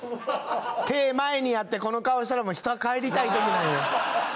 手を前にやって、この顔をしたらもう人は帰りたいときなんよ。